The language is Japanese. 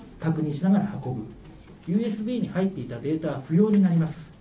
ＵＳＢに入っていたデータは不要になります。